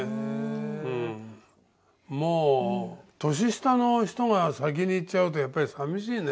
もう年下の人が先に逝っちゃうとやっぱりさみしいね。